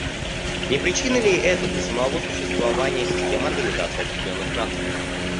Не причина ли это для самого существования системы Организации Объединенных Наций?